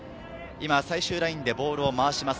今、最終ラインでボールを回します。